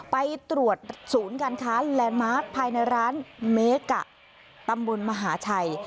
ไปตรวจศูนย์การค้าแลนด์มาร์คภายในร้านเมกะตำบลมหาชัย